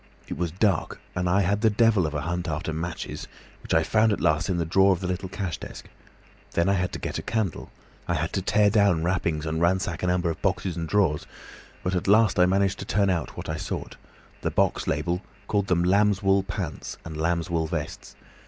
It was dark, and I had the devil of a hunt after matches, which I found at last in the drawer of the little cash desk. Then I had to get a candle. I had to tear down wrappings and ransack a number of boxes and drawers, but at last I managed to turn out what I sought; the box label called them lambswool pants, and lambswool vests.